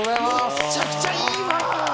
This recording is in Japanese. むちゃくちゃいいわ！